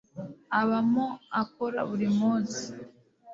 abamoakora buri munsi